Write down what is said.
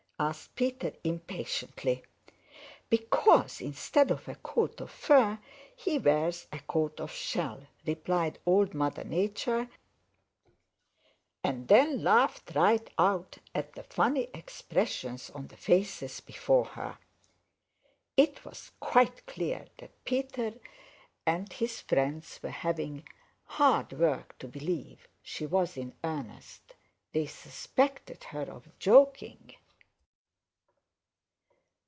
asked Peter impatiently. "Because instead of a coat of fur he wears a coat of shell," replied Old Mother Nature, and then laughed right out at the funny expressions on the faces before her. It was quite clear that Peter and his friends were having hard work to believe she was in earnest. They suspected her of joking.